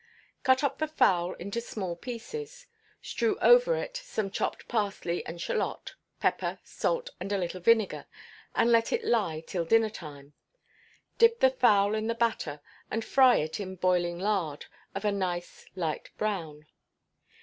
Cut up the fowl into small pieces, strew over it some chopped parsley and shalot, pepper, salt, and a little vinegar, and let it lie till dinner time; dip the fowl in the batter, and fry it in boiling lard, of a nice light brown.